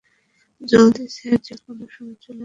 জলদি, স্যার যে কোনো সময় চলে আসবে।